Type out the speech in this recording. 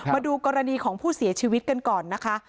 มาดูกรณีของผู้เสียชีวิตกันก่อนนะคะ